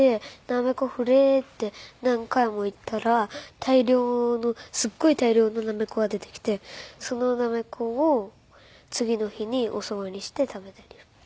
「なめこ降れ」って何回も言ったら大量のすごい大量のなめこが出てきてそのなめこを次の日におそばにして食べたり。